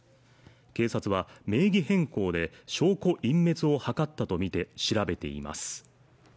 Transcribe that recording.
警察は名義変更で証拠隠滅を図ったとみて調べています